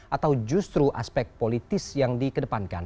atau justru aspek politis yang dikedepankan